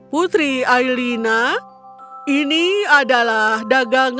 kau akan mencoba untuk menjual barang barangmu